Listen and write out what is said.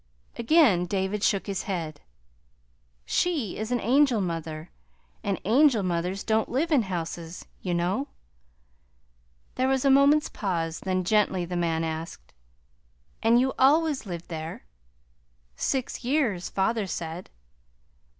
Again David shook his head. "She is an angel mother, and angel mothers don't live in houses, you know." There was a moment's pause; then gently the man asked: "And you always lived there?" "Six years, father said."